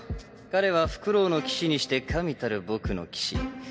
彼はフクロウの騎士にして神たる僕の騎士茜